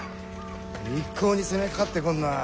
一向に攻めかかってこんなあ。